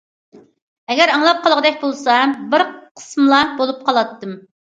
ئەگەر ئاڭلاپ قالغۇدەك بولسام بىر قىسمىلا بولۇپ قالاتتىم.